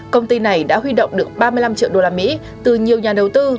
công ty này đã huy động được ba mươi năm triệu đô la mỹ từ nhiều nhà đầu tư